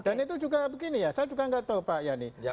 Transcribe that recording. dan itu juga begini ya saya juga nggak tahu pak yani